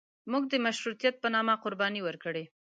موږ د مشروطیت په نامه قرباني ورکړې.